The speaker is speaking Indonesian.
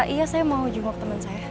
iya saya mau jumlah temen saya